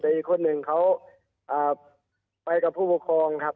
แต่อีกคนหนึ่งเขาไปกับผู้ปกครองครับ